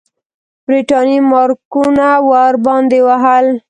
برټانیې مارکونه ورباندې وهل.